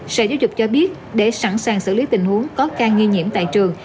sở giáo dục cho biết để sẵn sàng xử lý tình huống có ca nghi nhiễm tại trường